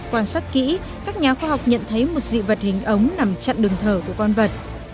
quan sát kỹ các nhà khoa học nhận thấy một dị vật hình ống nằm chặn đường thở của con vật